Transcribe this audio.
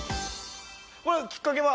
これきっかけは？